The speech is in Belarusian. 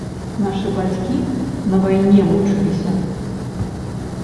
Нашы бацькі на вайне мучыліся.